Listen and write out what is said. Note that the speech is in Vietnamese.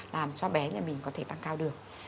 làm cho bé nhà mình có thể tăng cao được